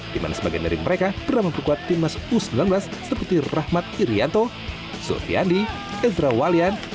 di mana sebagian dari mereka pernah memperkuat timnas u sembilan belas seperti rahmat irianto sulfiandi ezra walian